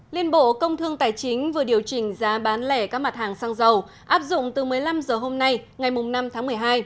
liên bộ công thương tài chính vừa điều chỉnh giá bán lẻ các mặt hàng xăng dầu áp dụng từ một mươi năm h hôm nay ngày năm tháng một mươi hai